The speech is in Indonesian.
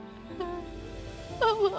maafkan stella bapak